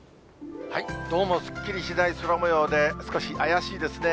どうもすっきりしない空もようで、少し怪しいですね。